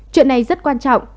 chuyện này rất quan trọng